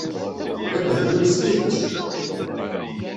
D abehlul s tidet!